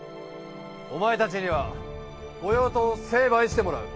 お前たちには御用盗を成敗してもらう。